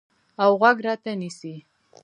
اوغوږ راته نیسي